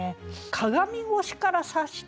「鏡越しから察した」